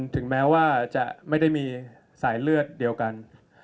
ถึงแม้ว่าจะไม่ได้มีสายเลือดเดียวกัน